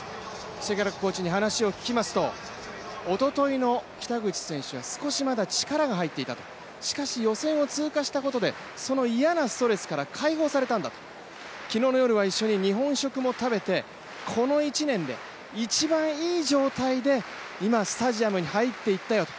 シェケラックコーチに話を聞きますと、おとといの北口選手は少しまだ力が入っていたと、しかし予選を通過したことでその嫌なストレスから解放されたんだと、昨日の夜は一緒に日本食も食べて、この１年で一番いい状態で今、スタジアムに入っていったよと。